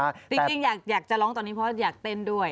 จริงอยากจะร้องตอนนี้เพราะอยากเต้นด้วย